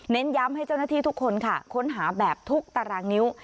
ย้ำให้เจ้าหน้าที่ทุกคนค่ะค้นหาแบบทุกตารางนิ้ว